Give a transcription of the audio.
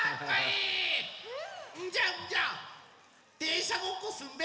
んじゃんじゃでんしゃごっこすんべ。